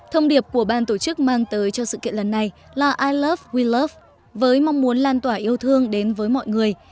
thông điệp của ban tổ chức mang tới cho sự kiện lần này là i love we love với mong muốn lan tỏa yêu thương đến với mọi người